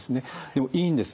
でもいいんです。